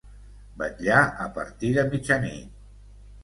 Vetllar a partir de mitjanit.